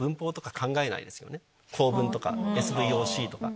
構文とかＳＶＯＣとか。